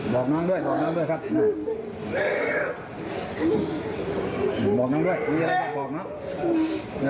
บอกน้องด้วยมีอะไรบอกบอกน้อง